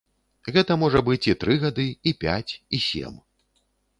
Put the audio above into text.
Гэта можа быць і тры гады, і пяць і сем.